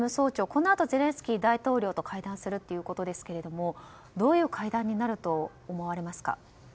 このあとゼレンスキー大統領と会談するということですがどういう会談になると思われますか？